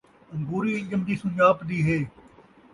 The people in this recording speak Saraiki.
انگوری ڄمدی سنڄاپدی ہے